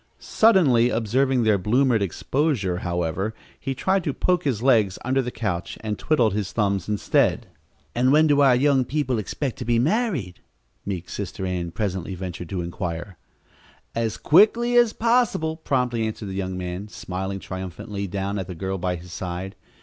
Suddenly observing their bloomered exposure, however, he tried to poke his legs under the couch, and twiddled his thumbs instead. "And when do our young people expect to be married?" meek Sister Ann presently ventured to inquire. "As quickly as possible," promptly answered the young man, smiling triumphantly down at the girl by his side.